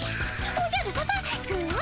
おじゃるさま具は？